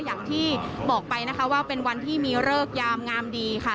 อย่างที่บอกไปนะคะว่าเป็นวันที่มีเลิกยามงามดีค่ะ